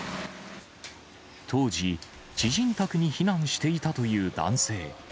当時、知人宅に避難していたという男性。